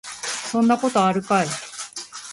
そんなことあるかい